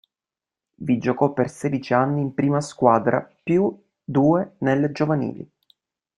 Vi giocò per sedici anni in prima squadra più due nelle giovanili.